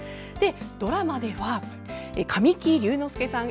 ドラマでは神木隆之介さん